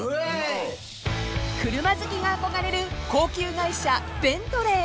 ［車好きが憧れる高級外車ベントレー］